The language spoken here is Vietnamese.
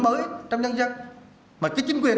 mới trong nhân dân mà cái chính quyền